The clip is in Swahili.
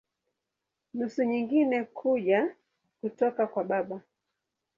Nusu nyingine kuja kutoka kwa baba.